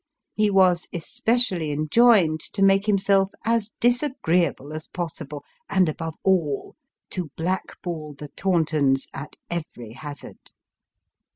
He was especially enjoined to make himself as disagreeable as possible ; and, above all, to black ball the Tauntons at every hazard.